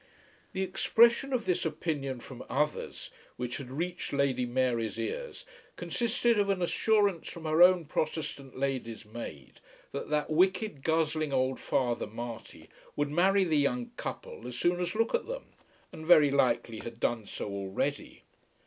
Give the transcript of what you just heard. The expression of this opinion from "others" which had reached Lady Mary's ears consisted of an assurance from her own Protestant lady's maid that that wicked, guzzling old Father Marty would marry the young couple as soon as look at them, and very likely had done so already.